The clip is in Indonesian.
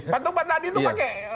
patung petani itu pakai